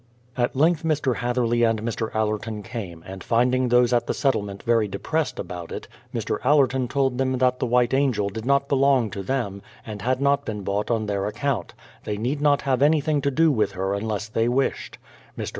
At length Mr. Hatherley and Mr. Allerton came, and finding those at the settlement very depressed about it, Mr. Allerton told them that the White Angel did not be long to them, and had not been bought on their account; they need not have anything to do with her unless they wished. Mr.